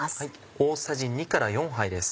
大さじ２から４杯です。